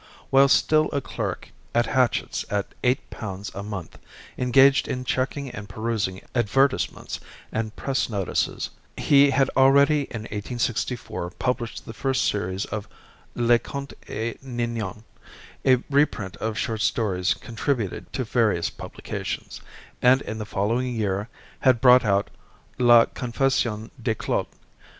While still a clerk at Hachette's at eight pounds a month, engaged in checking and perusing advertisements and press notices, he had already in 1864 published the first series of "Les Contes a Ninon" a reprint of short stories contributed to various publications; and, in the following year, had brought out "La Confession de Claude."